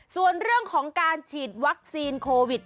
ส่วนเรื่องของการฉีดวัคซีนโควิด